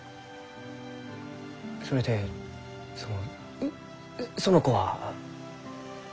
それでそのその子は？